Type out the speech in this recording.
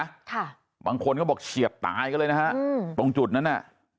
ค่ะบางคนก็บอกเฉียดตายกันเลยนะฮะอืมตรงจุดนั้นน่ะ